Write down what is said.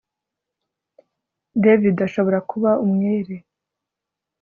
David ashobora kuba umwere